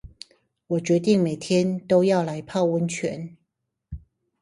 我決定每天都要來泡溫泉